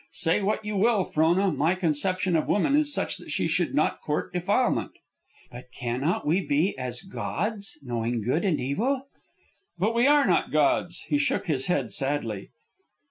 Say what you will, Frona, my conception of woman is such that she should not court defilement." "But cannot we be as gods, knowing good and evil?" "But we are not gods," he shook his head, sadly.